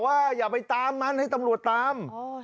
อย่าไปตามมันให้ตำรวจตาม